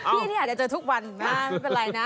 พี่นี่อาจจะเจอทุกวันนะไม่เป็นไรนะ